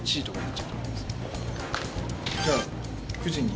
じゃあ９時に。